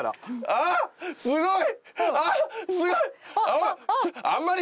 あっすごい！